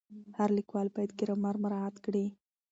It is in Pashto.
هر لیکوال باید ګرامر مراعت کړي.